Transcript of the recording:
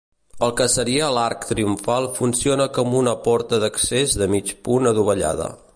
El que seria l'arc triomfal funciona com una porta d'accés de mig punt adovellada.